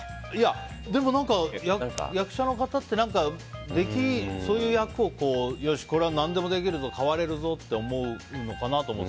でも、役者の方ってそういう役をよし、これは何でもできるぞ変われるぞって思うのかなって。